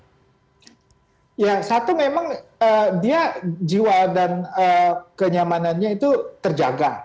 ya satu memang dia jiwa dan kenyamanannya itu terjaga